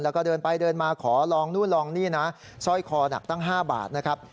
แล้วก็เดินไปเดินมาขอลองนู่นลองนี่นะสร้อยคอหนักตั้ง๕บาทนะครับ